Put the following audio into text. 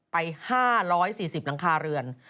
ไป๕๔๐หลังคาเรือน